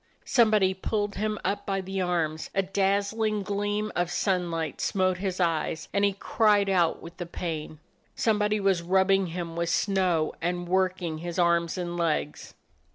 Somebody pulled him up by the arms: a daz zling gleam of sunlight smote his eyes, and he cried out with the pain. Somebody was rubbing him with snow, and working his arms and legs.